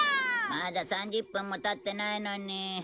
まだ３０分も経ってないのに。